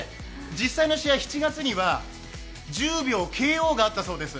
実際の試合、７月には１０秒ＫＯがあったそうです。